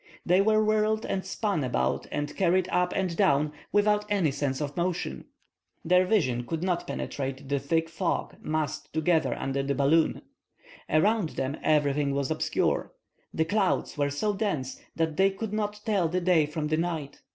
They were whirled and spun about and carried up and down without any sense of motion. Their vision could not penetrate the thick fog massed together under the balloon. Around them everything was obscure. The clouds were so dense that they could not tell the day from the night.